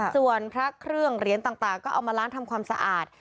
ส่วนพระเครื่องเหรียญต่างก็เอามาล้างทำความสะอาด